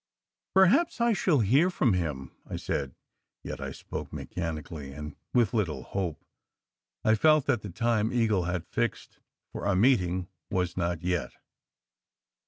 "Perhaps I shall hear from him," I said; yet I spoke mechanically and with little hope. I felt that the time Eagle had fixed for our meeting was not yet.